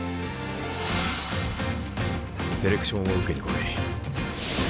セレクションを受けに来い。